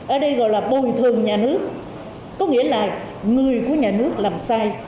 ở đây gọi là bồi thường nhà nước có nghĩa là người của nhà nước làm sai